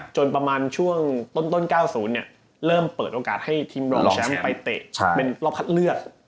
จนประมาณช่วงต้น๙๐เริ่มเปิดโอกาสให้ทีมรองแชมป์ไปเตะเป็นรอบคัดเลือก